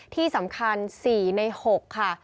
ที่สำคัญ๔ใน๖ค่ะ